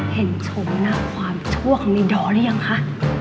เห็นชมหน้าความชั่วของในดอแล้วยังคะ